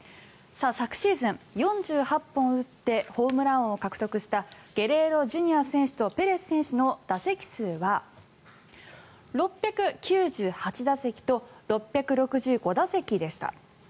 昨シーズン４８本打ってホームラン王を獲得したゲレーロＪｒ．選手とペレス選手の打席数は６９８打席と６６５打席でした。